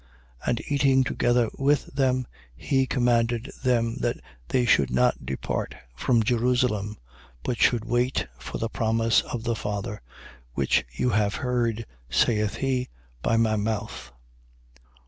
1:4. And eating together with them, he commanded them, that they should not depart from Jerusalem, but should wait for the promise of the Father, which you have heard (saith he) by my mouth.